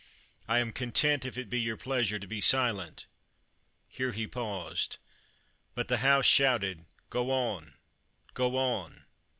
I am content, if it be your pleasure, to be silent. [Here he paused. But the House shouted: Go on! go on!